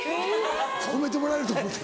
褒めてもらえると思うて。